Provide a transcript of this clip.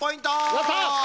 やった！